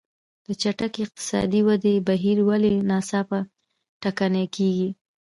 د چټکې اقتصادي ودې بهیر ولې ناڅاپه ټکنی کېږي.